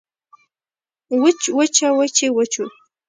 وچ وچه وچې وچو